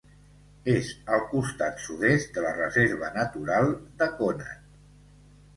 És al costat sud-est de la Reserva Natural de Conat.